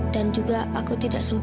dan juga aku tidak tahu kenapa